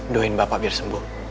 doain bapak biar sembuh